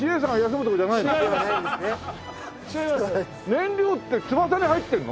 燃料って翼に入ってんの？